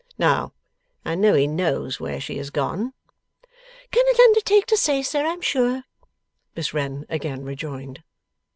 Now I know he knows where she is gone.' 'Cannot undertake to say, sir, I am sure!' Miss Wren again rejoined.